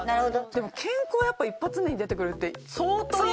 でも健康やっぱ一発目に出てくるって。